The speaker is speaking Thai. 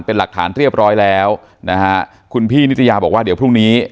เป็นหลักฐานเรียบร้อยแล้วนะฮะคุณพี่นิตยาบอกว่าเดี๋ยวพรุ่งนี้